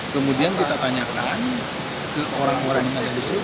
kemudian kita tanyakan ke orang orang yang ada di sini